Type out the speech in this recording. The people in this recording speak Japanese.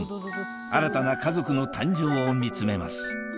新たな家族の誕生を見つめます